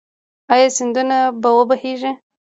آیا سیندونه به و بهیږي؟